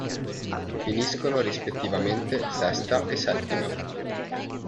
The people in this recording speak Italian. Finiscono rispettivamente sesta e settima.